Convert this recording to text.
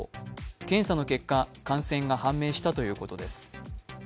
検査の結果、感染が判明したということです。